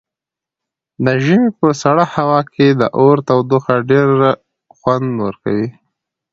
د ژمي په سړه هوا کې د اور تودوخه ډېره خوند ورکوي.